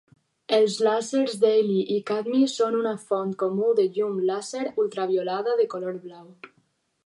Els làsers de heli i cadmi són una font comú de llum làser ultraviolada de color blau.